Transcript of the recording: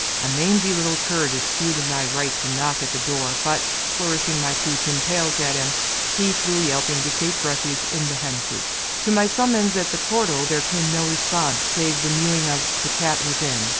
A mangy little cur disputed my right to knock at the door; but, flourishing my two tin pails at him, he flew yelping to take refuge in the hen coop. To my summons at the portal, there came no response, save the mewing of the cat within.